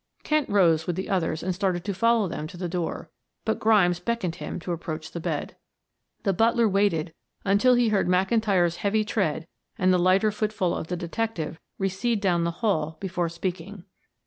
Kent rose with the others and started to follow them to the door, but Grimes beckoned him to approach the bed. The butler waited until he heard McIntyre's heavy tread and the lighter footfall of the detective recede down the hall before speaking.